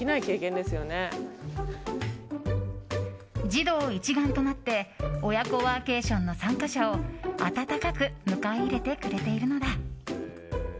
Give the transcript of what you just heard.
児童一丸となって親子ワーケーションの参加者を温かく迎え入れてくれているのだ。